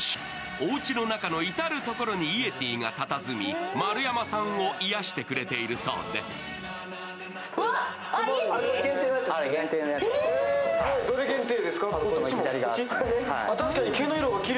おうちの中の至る所にイエティがたたずみ、丸山さんを癒やしてくれているそうであれ、限定のやつね。